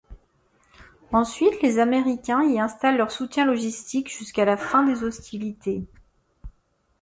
Ensuite les Américains y installent leur soutien logistique jusqu'à la fin des hostilités.